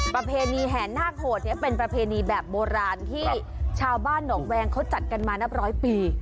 ประเภนีแหนนาคโหดเป็นประเภนีแบบโบราณที่ชาวบ้านน๋อแวงเขาจัดกันมานับ๑๐๐ปี